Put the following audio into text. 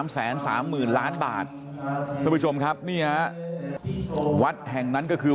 แสนสามหมื่นล้านบาทท่านผู้ชมครับนี่ฮะวัดแห่งนั้นก็คือ